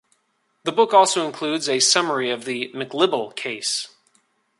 The book also includes a summary of the "McLibel Case".